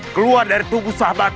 keluar dari tubuh sahabatku